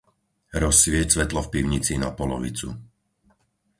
Rozsvieť svetlo v pivnici na polovicu.